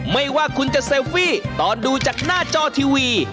ไม่ว่าคุณจะเซลฟี่ตอนดูจากหน้าจอทีวี